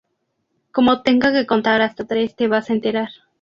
Como tenga que contar hasta tres, te vas a enterar